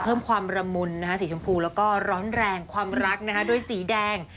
เพิ่มความระมุนสีชมพูแล้วก็ร้อนแรงความรักด้วยสีแดง